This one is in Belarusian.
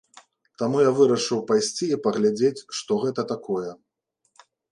Таму я вырашыў пайсці і паглядзець, што гэта такое.